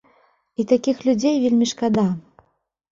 І такіх людзей вельмі шкада.